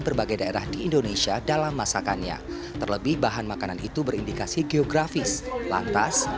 berbagai daerah di indonesia dalam masakannya terlebih bahan makanan itu berindikasi geografis lantas